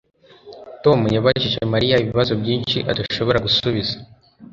Tom yabajije Mariya ibibazo byinshi adashobora gusubiza